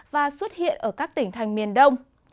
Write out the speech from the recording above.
và xuất hiện ở các tỉnh thành miền đông